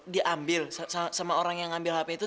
diambil sama orang yang ambil hp itu